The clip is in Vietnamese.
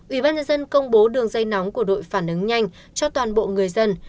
ubnd công bố đường dây nóng của đội phản ứng nhanh cho toàn bộ người dân